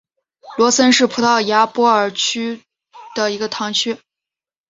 罗森是葡萄牙波尔图区的一个堂区。